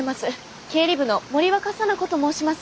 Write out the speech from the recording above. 経理部の森若沙名子と申します。